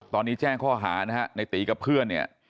ตอนนี้แจ้งข้อหานะฮะในตีกับเพื่อนเนี่ย